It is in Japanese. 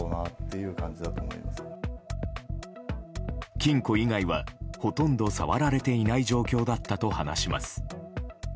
金庫以外はほとんど触られていない状況だったと話します。